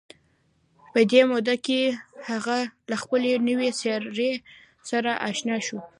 په دې موده کې هغه له خپلې نوې څېرې سره اشنا شو